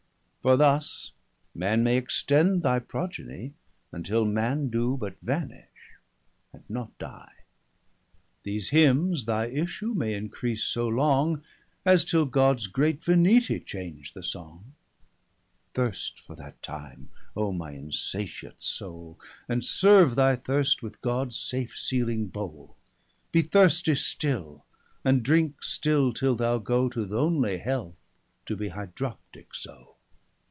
40 For thus, Man may extend thy progeny, Untill man doe but vanish, and not die. These Hymnes thy issue, may encrease so long, As till Gods great Venite change the song. [Sidenote: A iust disestimation of this world.] Thirst for that time, O my insatiate soule, 45 And serve thy thirst, with Gods safe sealing Bowle. Be thirstie still, and drinke still till thou goe To th'only Health, to be Hydroptique so.